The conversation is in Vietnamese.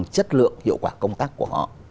chất lượng hiệu quả công tác của họ